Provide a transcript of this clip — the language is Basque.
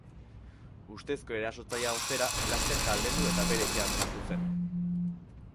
Ustezko erasotzailea, ostera, lasterka aldendu eta bere etxean sartu zen.